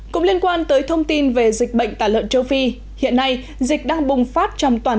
cũng liên quan tới thông tin về dịch bệnh tả lợn châu phi hiện nay dịch đang bùng phát trong toàn